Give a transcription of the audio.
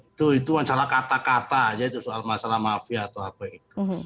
itu itu yang salah kata kata aja itu masalah mafia atau apa itu